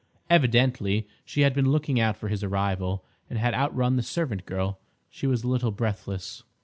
Evidently she had been looking out for his arrival, and had outrun the servant girl. She was a little breathless.